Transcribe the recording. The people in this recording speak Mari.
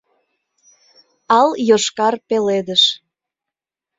Ал-йошкар пеледыш